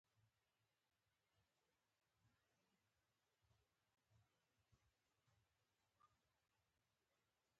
سیندونه د افغانستان د اقتصادي ودې لپاره ارزښت لري.